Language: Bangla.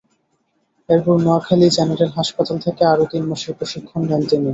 এরপর নোয়াখালী জেনারেল হাসপাতাল থেকে আরও তিন মাসের প্রশিক্ষণ নেন তিনি।